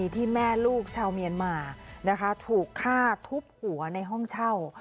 ที่แม่ลูกชาวเมียนมานะคะถูกฆ่าทุบหัวในห้องเช่า